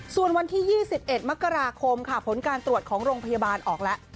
ส่วนวันที่๒๑มกราคมค่ะผลการตรวจของโรงพยาบาลออกแล้ว